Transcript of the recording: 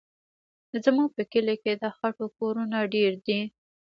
زموږ په کلي کې د خټو کورونه ډېر دي.